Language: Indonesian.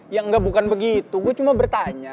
ya enggak bukan begitu gue cuma bertanya